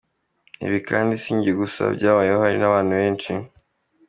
Ibi kandi sinjye gusa byabayeho hari n’abandi benshi.